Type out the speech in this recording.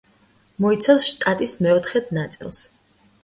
მოიცავს შტატის მეოთხედ ნაწილს.